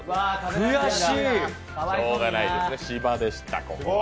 しようがないですね、芝でした、ここは。